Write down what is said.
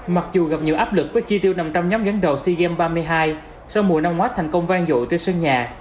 mặc dù gặp nhiều áp lực với chi tiêu năm trăm linh nhóm gắn đầu sea games ba mươi hai sau mùa năm w thành công vang dội trên sân nhà